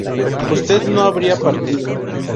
usted no habría partido